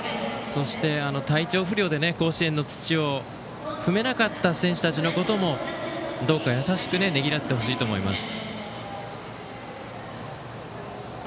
そして、体調不良で甲子園の土を踏めなかった選手たちのこともどうか優しくねぎらってほしいと思います。